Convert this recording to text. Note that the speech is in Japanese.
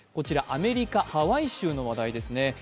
アメリカ・ハワイ州の話題ですね。